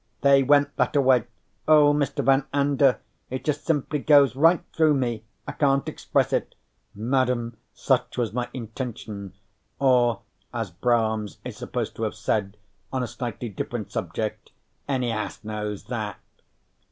"They went thataway. Oh, Mr. Van Anda, it just simply goes right through me; I can't express it. Madam, such was my intention or, as Brahms is supposed to have said on a slightly different subject, any ass knows that.